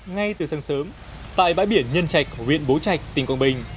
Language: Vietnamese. ngay từ sáng sớm tại bãi biển nhân trạch huyện bố trạch tỉnh quảng bình